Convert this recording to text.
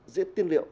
giết tiên liệu